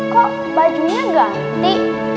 kok bajunya ganti